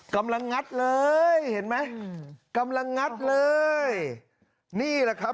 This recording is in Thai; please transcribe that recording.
กำลังงัดเลยเห็นไหมกำลังงัดเลยนี่แหละครับ